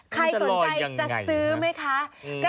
ใครสนใจจะซื้อไหมคะต้องจะลอยยังไงนะ